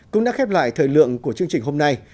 cũng đã khép lại thời lượng của chương trình hôm nay